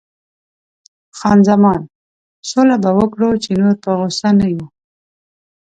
خان زمان: سوله به وکړو، چې نور په غوسه نه یو.